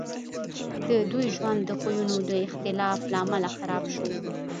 د دوی ژوند د خویونو د اختلاف له امله خراب شو